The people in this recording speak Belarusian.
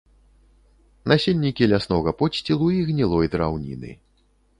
Насельнікі ляснога подсцілу і гнілой драўніны.